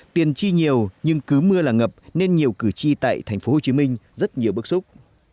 tiền chi nhiều nhưng cứ mưa là ngập nên nhiều cử tri tại tp hcm rất nhiều bức xúc